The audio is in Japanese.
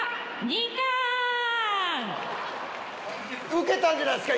ウケたんじゃないですか？